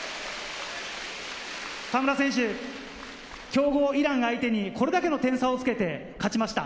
河村選手、強豪・イラン相手にこれだけの点差をつけて勝ちました。